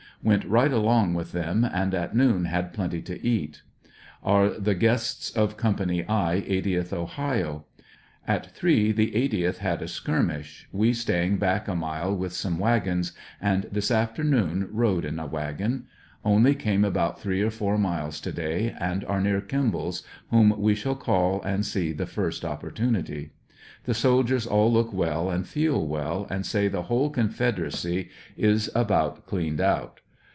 Went right along with them, and at noon had plenty to eat. Are the guests of Co. I, 80th Ohio. At three the 80th had a skirmish, we staying back a mile with some wagons, and this afternoon rode in a wagon. Only came about three or four miles to da}^ and are near Kimball's, whom we shall call and see the first opportunity. The soldiers all look well and feel well, and say tie whole confederacy is about cleaned out.